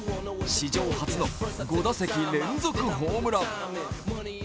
史上初の５打席連続ホームラン。